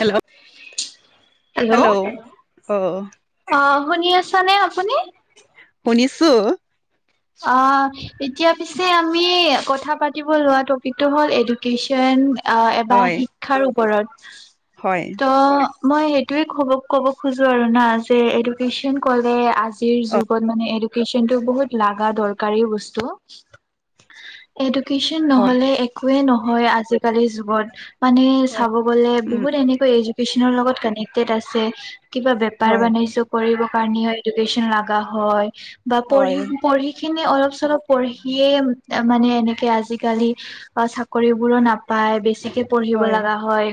Hello hello অ অ শুনি আছানে আপুনি? শুনিছ ছো। অ' এতিয়া পিছে আমি কথা পাতিব লোৱা টপিকটো হল এডুকেশ্বন। অ' এবাৰ হয় শিক্ষাৰ ওপৰত। হয় ত' মই সেইটোয়ে কব ক'ব খোজো আৰু না যে এডুকেশ্বন কলে আজিৰ অ যুগত মানে এডুকেশ্বনটো বহুত। লাগা দৰকাৰী বস্তু, এডুকেশ্বন হয় নহলে একোৱে নহ হয় আজিকালি যুগত মানে হয় চাব গ'লে উম বহুত এনেকৈ এডু কেশ্বন লগত কানেক্টেড আছে কিবা হয় বেপাৰ-বাণিজ্য কৰিব। বানিয়ৰ এডুকেশ্বন লাগা হয় বা পঢ়ি হয় পঢ়ি কেনে অলপ অলপ চলপ পঢ়িহে মানে এনেকে আজিকালি অ' চাকৰি বোৰো নাপাই। নাপায় বেছ ছিকে পঢ়িব হয় লাগা হয়,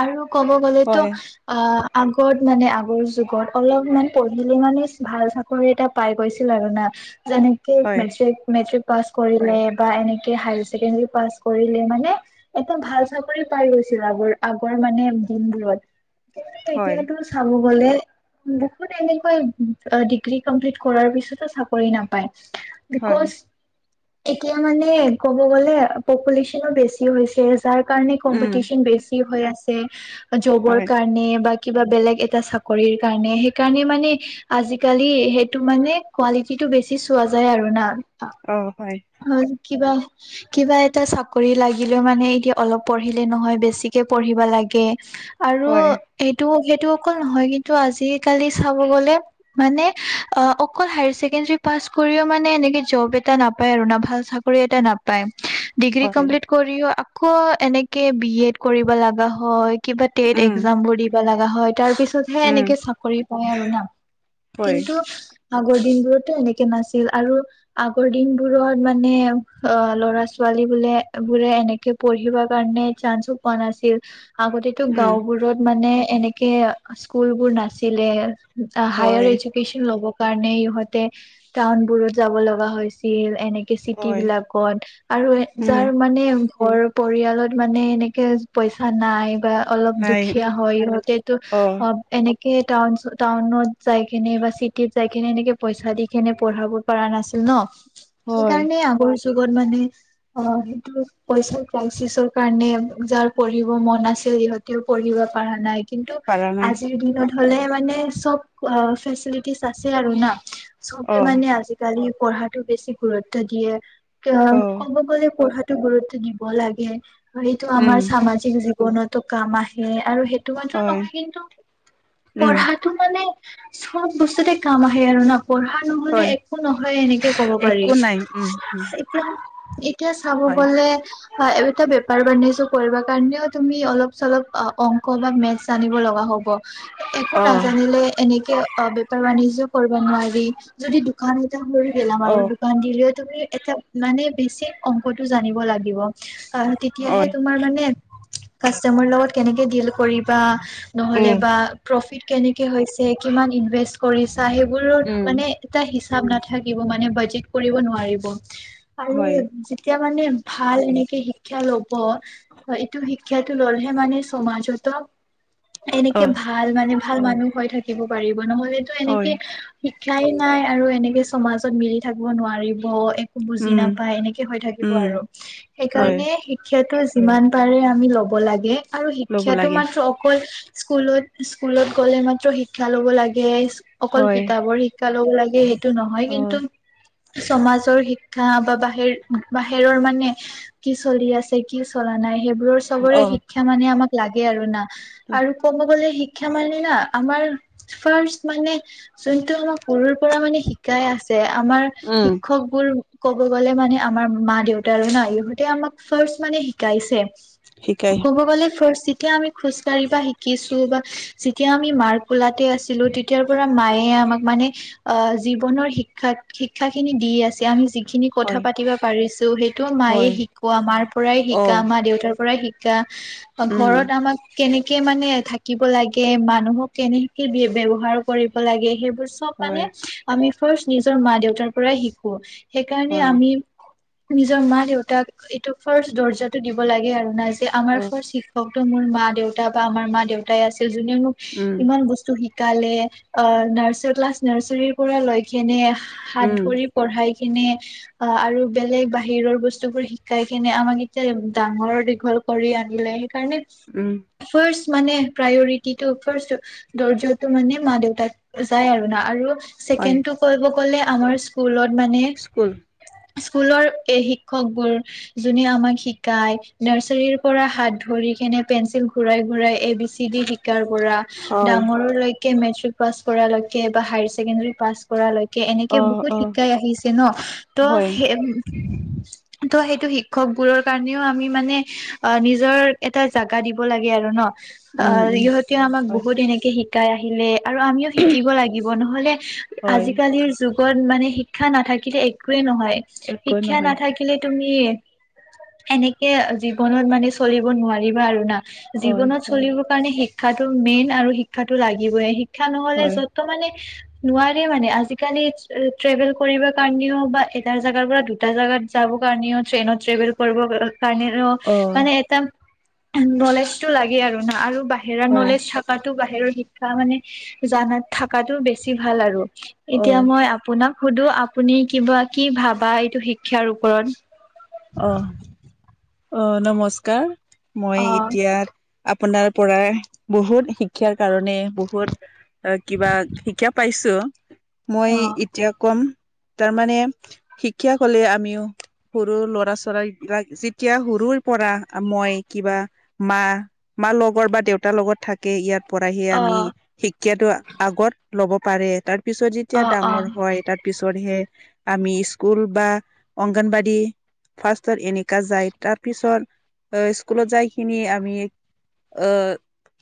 আৰু ক'ব গলেতো হয় অ' আগত মানে আগৰ যুগত অলপমান পঢ়িলে মানে ভাল চাকৰি এটা পাই গৈছিল আৰু না। যেনেকে হয় মেট্ৰিক-মেট্ৰিক। পাছ কৰিলে বা এনেকে হায়াৰ ছেকেণ্ডাৰী পাছ কৰিলে মানে এটা ভাল চাকৰি পাই গৈ ছিলে, আগৰ আগৰ মানে দিনবোৰত কিন্তু হয় এতিয়াতো চাব গলে বহুত এনেকৈ ডিগ্ৰী কমপ্লিট কৰাৰ পিছতো চাকৰি নাপায়। হয় বিকজ এতিয়া মানে ক'ব গলে পপুলেশচনো বেছি হৈছে, যাৰ কাৰণে উম কম্পিটিচন বেছি। হৈ আছে জবৰ হয় কাৰণে বা কিবা বেলেগ এটা চাকৰিৰ কাৰণে সেইকাৰণে মানে আজিকালি সেইটো মানে কোৱালিটিটো বেছ বেছি চোৱা যায় আৰু না। অ' হয়। হয়, কিবা কিবা এটা চাকৰি লাগিলেও মানে এতিয়া অলপ পঢ়িলে নহয়। বেছিকে পঢ়িব লাগে আৰু হয় এইটো সেইটো অকল নহয় কিন্তু আজিকালি চাব গ'লে মানে অ' অকল হায়াৰ চছেকেণ্ডাৰী পাছ কৰিও মানে এনেকে জব এটা নাপ পাই আৰু না ভাল চাকৰি এটা নাপাই, ডিগ্ৰী হয় কমপ্লিট কৰিও ক এনেকে বি এড কৰিব লগা হয় কিবা টেট উম একজাম বোৰ দিব লগা হয়। তাৰ পিছতহে উম এনেকে চাকৰি পায় আৰু না হয় কিন্তু আগৰ দিন বোৰতো এনেকে নাছিল আৰু আগৰ দিন বোৰত মানে অ ল'ৰা-ছোৱালী বোলে বোৰে এনেকে পঢ়িব কাৰণে চাঞ্চো পোৱা নাছিল। আগতেতো উম গাঁও বোৰত মানে এনেকে স্কুলবোৰ নাছিলে। হয় হায়াৰ এডুকেচন ল'ব কাৰণে ইহঁতে টাউনবোৰত যাব লগা হৈছিল। এনেকে হয় চিটিবিলাকত আৰু উম যাৰ মানে ঘৰ পৰিয়ালত মানে এনেকে পইচা নাই বা অলপ নাই দুখীয়া উম হয় সিহঁতেতো অ এনে কে টাউন টাউনত যাই কেনে বা চিটিত যাই কেনে এনেকে পইচা দি কেনে পঢ়াব পৰা নাছিল। ন। হয় সেইকাৰণে আগৰ যুগত মানে অ সেইটো পইচা ক্ৰাইচিচৰ কাৰণে যাৰ পঢ়িব মন আছ তে ইহঁতেও পঢ়িব পৰা নাই। কিন্তু পাৰা নাই আজিৰ দিনত হলে মানে চব ফেচিলিটিছ আছে আৰু না। চবে অ মানে আজিকালি পঢ়াতো বেছি গুৰুত্ব দিয়ে। অ ক'ব গলে পঢ়াট টো গুৰুত্ব দিব লাগে সেইটো উম আমাৰ সামাজিক জীৱনতো কাম আহে আৰু সে সেইটো মাত্ৰ হয় নহয় কিন্তু উম পঢ়াটো মানে চব বস্তুতে কাম আহে আৰু না পঢ়া নহলে হয় একো নহয় এনেক ক'ব পাৰি একো নাই উম উম এতিয়া এতিয়া চাব হয় গলে হয় এইটা বেপাৰ বাণিজ্য কৰিব কাৰণেও তুমি অলপ চলপ অংক বা মেথছ জানিব লগা হ'ব একো অ নাজানিলে এনেক অ বেপাৰ বাণিজ্য কৰিব নোৱাৰি যদি দোকান এটা হৈ অ গেলামালৰ দোকান দিলে তুমি এটা মানে বেছি অংকটো জানিব লাগিব তেতিয়াহে হয় তোমাৰ মানে কাষ্টমাৰ লগত কেনেকে ডিল কৰিবা নহলে উম বা প্ৰফিট কেনেকে হৈছে কিমান ইনভেষ্ট কৰিছ সেইবোৰৰ উম মানে এটা হিচাপ নাথাকিব মানে বাজেট কৰিব নোৱাৰিব আৰু হয়। যেতিয়া মানে ভাল এনেকে শিক্ষা লব এইটো শিক্ষাটো ললেহে মানে চমাজতো এনেকে অ' ভাল মানে ভাল মানুহ হৈ থাকিব পাৰিব নহলেত হয়, এনেকে নাই আৰু এনেকে চমাজত মিলি থাকিব নোৱাৰিব বুজি উম, নাপায় এনেকে হৈ থাকিব উম, আৰু হয়, সেইকাৰণে শিক্ষটো যিমান পাৰে আমি ল'ব লাগে আৰু ল'ব শিক্ষাটো লাগে। মাত্ৰ অকল স্কুলত স্কুলত গ'লে মাত্ৰ শিক্ষা ল'ব লাগে অকল হয়, কিতাপৰ শিক্ ক্ষা ল'ব লাগে সেইটো নহয় অ'। কিন্তু চমাজৰ শিক্ষা বা বাহিৰ বাহিৰৰ মানে কি চলি আছে কি চলা নাই সেইব বোৰ চবৰে অ', শিক্ষা মানে আমাক লাগে আৰু না আৰু কম গলে শিক্ শিক্ষা মানে না আমাৰ ফাৰ্ষ্ট মানে যোনটো আমাৰ সৰুৰ পৰা মানে শিকাই আছ আমাৰ উম, শিক্ষক বোৰ ক'ব গ'লে মানে আমাৰ মা দেউতা আৰু নাই ইহঁতে আমাক ফাৰ্ষ্ট মানে শিকাইছে শিকাই ক'ব গ'লে ফাৰ্ষ্ট যেতিয়া আমি খোজ কঢ়িবা শিকিছো বা যেতিয়া আমি মাৰ কোলাতে আছিলো তেতিয়াৰ পৰা মায়ে আমাক মানে আ জীৱনৰ শিক্ষা শিক্ষা খিনি দি আছে আমি যি খিনি কথা হয়, পাতি পাৰিছো সেইটো মায়ে হয়, শিকোৱা মাৰ পৰাই শিকা অ'। মা দেউতাৰ পৰাই শিক কা উম। ঘৰত আমাক কেনে কে মানে থাকিব লাগে মানুহক কেনেকে ব্যৱহাৰ কৰিব লাগে সেই বোৰ চব মানে হয়, আমি ফাৰ্ষ্ট নিজৰ মা দেউতাৰ পৰাই শিকো সেইকাৰণে হয়, আমি নিজৰ মা-দেউতাক এইটো ফাৰ্ষ্ট দৰ্জাটো দিব লাগে আৰু নাই যে আমাৰ অ'। ফাৰ্ষ্ট শিক্ষক মোৰ মা-দেউতা বা আমাৰ মা-দেউতাই আছিল জোনে মোক উম, ইমান বস্তু শিক কালে, অ', নাৰ্চাৰ ক্লাছ নাৰ্চাৰীৰ পৰা লৈকেনে হাত উম, ধৰি পঢ়াই কিনে, অ', আৰু বেলেগ বাহিৰৰ বস্তুবোৰ শিকাই কিনে আমাক এতিয়া ডাঙৰ দীঘল কৰি আনিলে‌ সেইকাৰণে উম। ফাৰ্ষ্ট মানে প্ৰায়ৰিটিটো ফাৰ্ষ্ট দৰ্জাটো মানে মা-দেউতাক যায় আৰু না আৰু হয়, ছেকেণ্ডটো কইব গলে আমাৰ স্কুলত মানে স্কুল স্কুলৰ এই শিক্ষকবোৰ জোনে আমাক শিকায়, নাৰ্চাৰীৰ পৰা হাত ধৰি। কেনে পেঞ্চিল ঘুৰাই - ঘুৰাই এ বি চি ডি শিকাৰ পৰা হয়। ডাঙৰলৈকে মেচ্ৰিক পাছ কৰালৈকে বা হাই ছেকেণ্ডেৰী পাছ কৰালৈক এনেকে অ', বহুত অ', শিকাই আহিছে ন, ত হয়, সে ত' সেইটো শিক্ষক বোৰৰ কাৰণেও আমি মানে অ, নিজৰ এটা জাগা দিব লাগে আৰু ন? অ, উম, উম, ইহতেও আমাক হয়। বহুত এনেকে শিকাই আহিলে। আৰু আমিও শিকিব লাগিব নহ'লে হয়, আজিকালিৰ যু যুগত মানে শিক্ষা নাথাকিলে একোৱে নহয়। একো শিক্ষা নহয়, নাথাকিলে তুমি এনেকে জীৱনত মানে চলিব নোৱাৰিবা আৰু না। হয়, জীৱনত হয়, চলিব কাৰণে শিক্ষাতো মেইন আৰু শিক্ষাটো লাগিবই। শিক শিক্ষা নহ'লে হয়, যত মানে নোৱাৰে মানে আজিকালি ট্ৰেভেল কৰিব কাৰণেও বা এটা জেগাৰ পৰা দুটা জেগাত যাব কাৰনেও ট্ৰেনত ট্ৰেভেল কৰিব [unintelligible] কাৰণে অ, মানে এটা নলেজ টো লাগে আৰু ন আৰু বা বাহিৰৰ হয়, নলেজ থাকাতো বাহিৰৰ শিক্ষা মানে জানাত থাকাটো বেছি ভাল আৰু। এতিয়া অ', মই আপোনাক সুধো আপুনি কিবা কি ভাবা এইটো শিক্ষাৰ ওপৰত? অ', - অ', নমস্কাৰ, মই অ এতিয়া আপোনাৰ পৰাই বহুত শিক্ষাৰ কাৰণে বহুত কিবা শিকা পাইছো। মই অ ইতিয়া কম, তাৰ মানে শিক্ষা ক'লে আমিও সৰু লৰ চৰাইবিলাক যিতিয়া সৰুৰ পৰা মই কিবা মা-মা লগৰ বাত দেউতাৰ লগত থাকে, ইয়াত পৰাহি অ আমি শিক্ষাটো আগত লব পাৰে তাৰ পিছত যেতিয়া অ', অ', ডাঙৰ হয় তাৰ পিছ কৰিহে আমি স্কুল বা অংগনবাদী ফাৰ্ষ্টত এনেকা যায়। তাৰপিছত স্কুলত যাইকিনি আমি অ,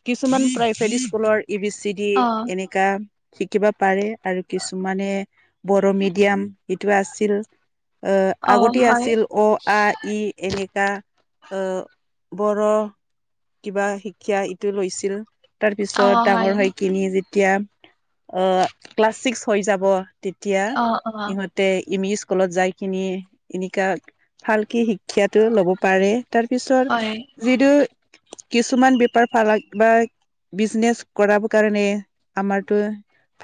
কিছুমান প্ৰাইভেট স্কুলৰ ই বি চি ডি অ', এনেকা। শিকিব পাৰে আৰু কিছুমানে বড়ো মিডিয়াম, ইটো আছিল। অ, আগতে আছিল অ, আ ই এনেকা অ, বড় কিবা শিক্ষা ইটো লৈছিল। তাৰ পিছত অ', হয়, ডাঙৰ হৈ কিনি যেতিয়া অ, ক্লাছ ছিক্স হৈ যাব তেতিয়া অ', অ', ইহতে ইমি স্কুলত যাই কিনি ইনেকা ভালকে শিক্ষাটো লব পাৰে তাৰ পিছৰ হয়, যিটো কিছুমান বেপাৰ ফালাক বা বিজনেছ কৰা কাৰণে আমাৰতো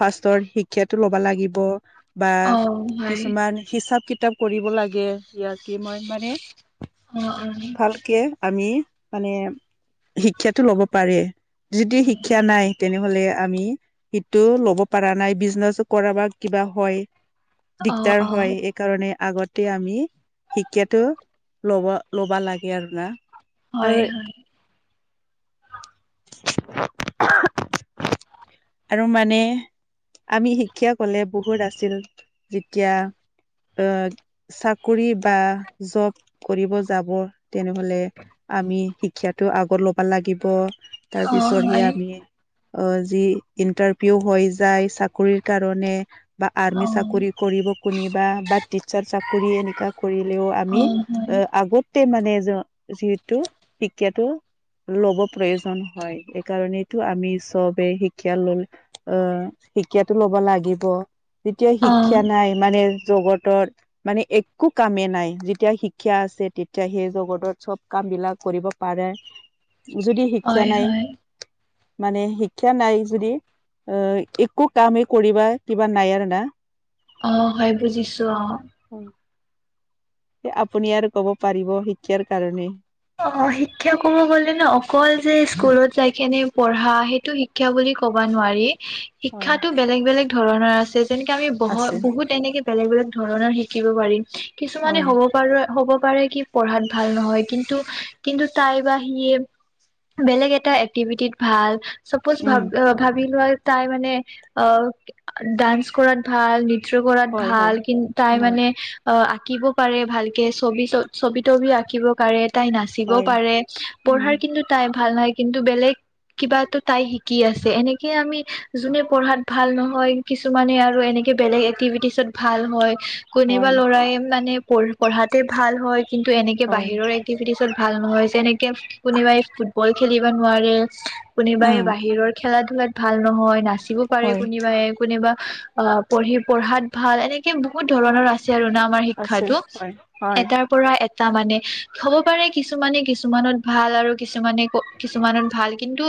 ফাৰ্ষ্টৰ শিক্ষাটো ল'ব লাগিব। বা অ', হয়, কিছুমান হিচাপ কিতাপ কৰিব লাগে, ইয়াৰ কিমইন মানে অ', অ', ভালকে আমি মানে শিক্ষাটো লব পাৰে। যদি হয়, শিক্ষা নাই তেনেহ'লে আমি সিটো ল'ব পাৰা নাই বিজনেচো কৰা বা কিবা হয় অ', দিগদাৰ অ', হয় এইকাৰণে আগতে আমি শিক্ষাটো লব ল'বা লাগে আৰু না? আৰু হয়- হয়। আৰু মানে আমি শিক্ষা ক'লে বহুত আছিল, যেতিয়া অ, চাক ক বা জব কৰিব যাব তেনেহলে আমি শ শিক্ষাতো আগত ল'বা লাগিব তাৰ অ', পিছত সে হয়, আমি অ, যি ইন্টাৰভিউ হৈ যায় চাকৰি কাৰণে বা অ', আৰ্মি চাকৰি অ', কৰিব কনিবা বা টিচাৰ চাকৰি এ শিক্ষা কৰিলেও আমি হয়, আগতে মানে যিহেতু শিক্ষাটো লব প্ৰয়োজন হয় এইকাৰণেতটো আমি চবে শিক্ষা ললো আহ শিক্ষাটো ল'ব লাগিব যেতিয়া অ', শিক্ষা নাই মানে জগতৰ মানে এক একো কামেই নাই যেতিয়া শিক্ষা আছে তেতিয়া সেই জগতত চব কাম বিলাক কৰিব পাৰে যদি শিক্ষা হয়, নাই হয়, মানে শিক্ষা নাই যদি অ একো কামেই কৰিবা কিবা নাই আৰু না আহ হয় বুজিছো অহ আপুনি আৰু কব পাৰিব শিক্ষাৰ কাৰণে অ অ শিক্ষা কব গলে ন অকল যে স্কুলত যাই কেনে পঢ়া সেইটো শিক্ষা বুলি ক'ব নোৱাৰি হয় শিক্ষাটো বেলেগ বেলেগ ধৰণৰ আছে যেনেকে আমি বহত আছে বহুত এনেকে বেলেগ বেলেগ ধৰণৰ শিকিব পাৰিম কিছুমানে হয় হ'ব পাৰো হ'ব পাৰে কি পঢ়াত ভাল নহয় কিন্ কিন্তু তাই বা সি বেলেগ এটা এক্টিভিটিত ভাল। চাপজ ভ উম ভাবি লোৱা তাই মানে অ ডান্স কৰাত ভাল- চিত্ৰ কৰাত হয় ভাল হয় কিন্তু তাই হয় মানে অ আঁকিব পাৰে ভালকে ছবি চ ছবি তবি আঁকিব পাৰে। তাই নাচিব হয় পাৰে উম পঢ়াৰ কিন্তু তাই ভাল নহ কিন্তু বেলেগ কিবা তাই শিকি আছে এনেকে আমি যোনে পঢ়াত ভাল নহয় কিছুমানে আৰু এনে এনেকে বেলেগ এক্টিভিটিছত ভাল হয়। কোনোবা হয় লৰাই মানে পঢ পঢ়াতে ভাল হয় কিন্তু এনেকে হয় বাহিৰৰ এক ত ভাল নহয় যেনেকে কোনোবাই ফুটবল খেলিব নোৱাৰে কোনোবাই উম বাহিৰৰ খেলা ধূলাত ভাল নহয় নাচিবও পাৰে হয় কোনোবাই কোনোবা অ পঢ়ি পঢ়াত ভাল এনেকে বহুত ধৰণৰ আছে। ৰুণ আমাৰ আছে শিক্ষাটো হয় হয় এটাৰ পৰা এটা মানে হ'ব পাৰে কিছুমানে কিছুমানত ভাল আৰু কিছুমানে কিছুমানত ভাল কিন্তু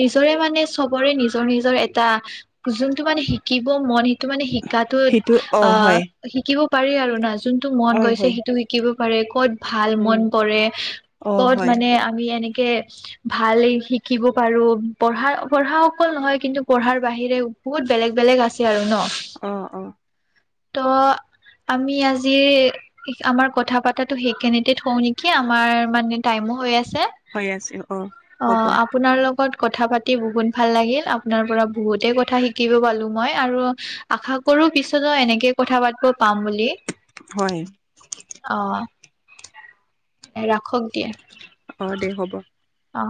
নিজৰে মানে চবৰে নিজৰ নিজৰ এটা যোনটো মানে শিকিব মন টো মানে শিকাতো সেইটো অ হয় শিকিব পাৰি আৰু না যোনটো মন হয় গৈছে হয় সেইটো শিকিব কত ভাল উম মন পৰে অ ক'ত হয় মানে আমি এনে ভাল শিকিব পাৰো পঢ়া পঢ়া অকল নহয় কিন্তু পঢ়াৰ বাহিৰে বহুত বেলেগ বেলেগ আছে আৰু ন। অ অ ত আমি আজিৰ আমাৰ কথা পাতাতো সেই কেনে নেকি আমাৰ মানে টাইমো হৈ আছে হৈ আছে অ অ হ'ব আপোনাৰ কথা পাতি বহুত ভাল লাগিল আপোনাৰ পৰা বহুতে কথা শিকিব পালো মই আৰু আশা কৰো পিছতো এনেকে কথা পাতব পাম বুলি। হয়। অ ৰাখক দিয়া অ' দে হ'ব। অ'